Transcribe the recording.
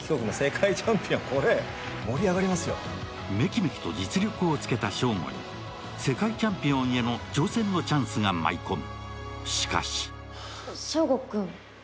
めきめきと実力をつけた翔吾に世界チャンピオンへの挑戦のチャンスが舞い込む。